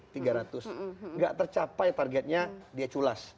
tidak tercapai targetnya dia culas